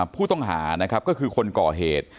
ผู้ต้องหานะครับก็คือคนก่อเหตุ